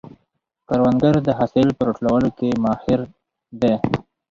کروندګر د حاصل په راټولولو کې ماهر دی